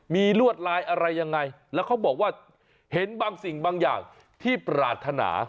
มีลวดลายอะไรยังไงแล้วเขาบอกว่าเห็นบางสิ่งบางอย่างที่ปรารถนา